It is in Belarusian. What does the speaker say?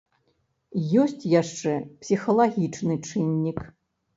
Ёсць яшчэ псіхалагічны чыннік.